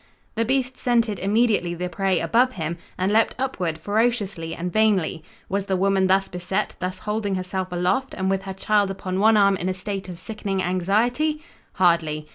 The beast scented immediately the prey above him and leaped upward ferociously and vainly. Was the woman thus beset thus holding herself aloft and with her child upon one arm in a state of sickening anxiety? Hardly!